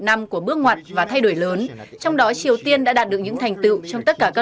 năm của bước ngoặt và thay đổi lớn trong đó triều tiên đã đạt được những thành tựu trong tất cả các